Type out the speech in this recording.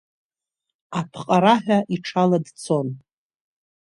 Аԥҟараҳәа иҽала дцон.